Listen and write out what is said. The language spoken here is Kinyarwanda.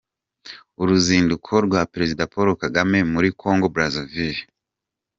Uruzinduko rwa Perezida Paul Kagame muri kongo Brazzaville